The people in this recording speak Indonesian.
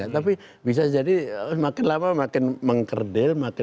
tapi bisa jadi makin lama makin mengkerdil